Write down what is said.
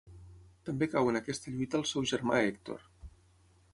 També cau en aquesta lluita el seu germà Hèctor.